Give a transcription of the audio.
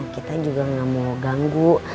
kita juga gak mau ganggu